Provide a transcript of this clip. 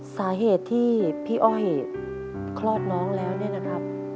สาเหตุที่พี่อ้อยคลอดน้องแล้วเนี่ยนะครับ